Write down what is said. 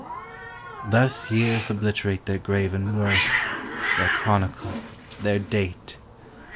"Thus years obliterate Their graven worth, their chronicle, their date!